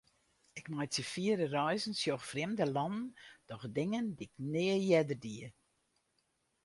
Ik meitsje fiere reizen, sjoch frjemde lannen, doch dingen dy'k nea earder die.